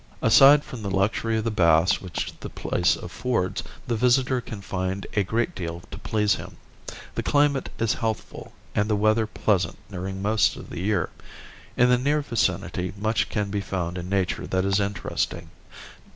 Aside from the luxury of the baths which the place affords the visitor can find a great deal to please him. The climate is healthful and the weather pleasant during most of the year. In the near vicinity much can be found in nature that is interesting.